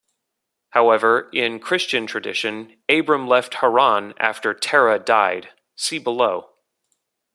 However, in Christian tradition Abram left Haran after Terah died, see below.